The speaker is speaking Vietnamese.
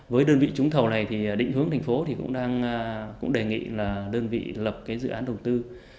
với đơn vị trúng thầu này thì định hướng thành phố thì cũng đề nghị là đơn vị lập cái dự án đầu tư